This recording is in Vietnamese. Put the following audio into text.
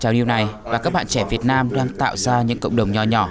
trào lưu này và các bạn trẻ việt nam đang tạo ra những cộng đồng nhỏ nhỏ